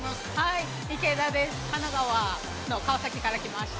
◆いけだです、神奈川の川崎から来ました。